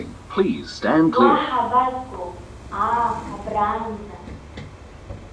Уаҳа абазго, аа абраанӡа!